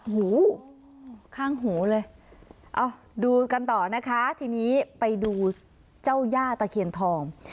หูข้างหูเลยเอาดูกันต่อนะคะทีนี้ไปดูเจ้าย่าตะเคียนทอง